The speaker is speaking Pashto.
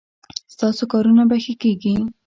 ستاسو کارونه به ښه کیږي